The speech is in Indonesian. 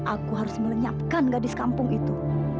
aku harus melenyapkan gadis kampung itu